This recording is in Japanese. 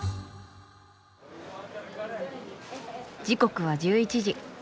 時刻は１１時。